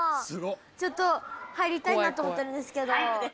ちょっと入りたいなと思ってるんですけど。